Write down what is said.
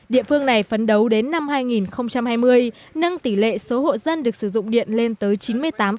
địa phương này phấn đấu đến năm hai nghìn hai mươi nâng tỷ lệ số hộ dân được sử dụng điện lên tới chín mươi tám